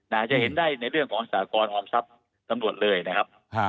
น่าจะเห็นได้ในเรื่องของออมศักรณ์ออมทรัพย์สำหรับเลยนะครับ